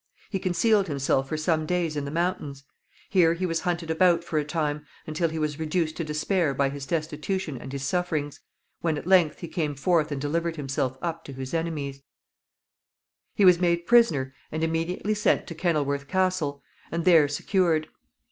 He concealed himself for some days in the mountains. Here he was hunted about for a time, until he was reduced to despair by his destitution and his sufferings, when at length he came forth and delivered himself up to his enemies. [Illustration: KENILWORTH CASTLE.] He was made prisoner and immediately sent to Kenilworth Castle, and there secured.